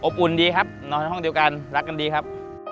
อุ่นดีครับนอนห้องเดียวกันรักกันดีครับ